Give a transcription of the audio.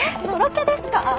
のろけですか？